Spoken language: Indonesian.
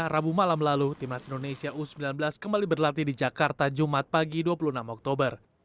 rabu malam lalu timnas indonesia u sembilan belas kembali berlatih di jakarta jumat pagi dua puluh enam oktober